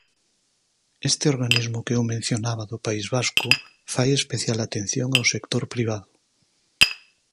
Este organismo que eu mencionaba do País Vasco fai especial atención ao sector privado.